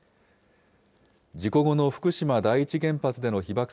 事故後の福島第一原発での被ばく